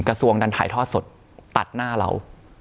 กระทรวงดันถ่ายทอดสดตัดหน้าเรา